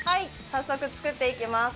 早速作っていきます。